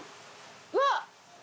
うわっ！